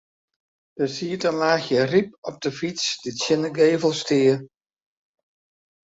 Der siet in laachje ryp op 'e fyts dy't tsjin de gevel stie.